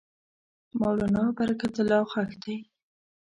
مولنا برکت الله ښخ دی.